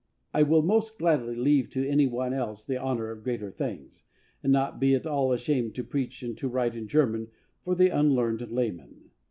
I will most gladly leave to any one else the honor of greater things, and not be at all ashamed to preach and to write in German for the unlearned laymen.